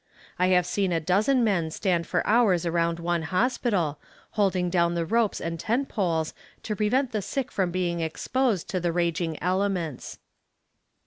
I have seen a dozen men stand for hours around one hospital, holding down the ropes and tent poles to prevent the sick from being exposed to the raging elements.